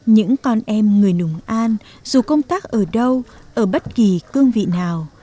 những con em người nùng an dù công tác ở đâu ở bất kỳ cương vị nào